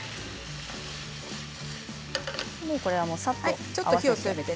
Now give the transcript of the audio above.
これは、もうさっと。